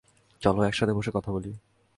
চলো একসাথে বসে কথা বলি।